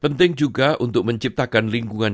penting juga untuk menciptakan lingkungan